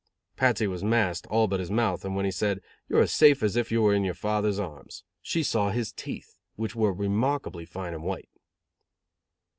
Patsy was masked, all but his mouth, and when he said: "You are as safe as if you were in your father's arms," she saw his teeth, which were remarkably fine and white.